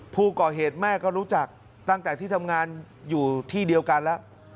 ผู้ก่อเหตุแม่ก็รู้จักตั้งแต่ที่ทำงานอยู่ที่เดียวกันแล้ว